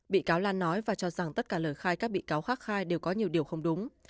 bị cáo lan nói và cho rằng tất cả lời khai các bị cáo khác khai đều có nhiều điều không đúng